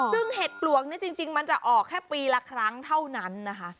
ซึ่งเห็ดปลวกนี้จริงมันจะออกแค่ปีละครั้งเท่านั้นนะคะ